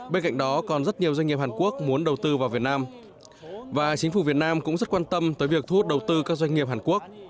bên cạnh đó còn rất nhiều doanh nghiệp hàn quốc muốn đầu tư vào việt nam và chính phủ việt nam cũng rất quan tâm tới việc thu hút đầu tư các doanh nghiệp hàn quốc